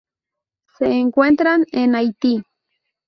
Se encuentran en Haití.